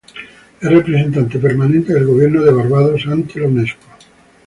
Es representante permanente del gobierno de Barbados ante la Unesco.